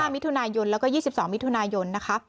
๕มิถุนายนและ๒๒มิถุนายน